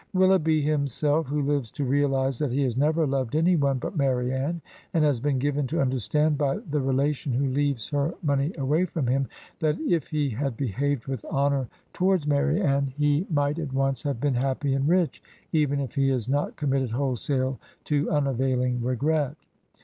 Willoughby himself, who lives to realize that he has never loved any one but Marianne, and has been given to understand by the relation who leaves her money away from him, "that if he had behaved with honor towards Marianne, he 74 Digitized by VjOOQIC THREE OF JANE AUSTEN'S HEROINES rmgtit at once have been happy and rich/' even he is not committed wholesale to unavailing r^ret.